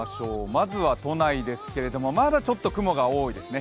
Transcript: まずは都内ですけどまだちょっと雲が多いですね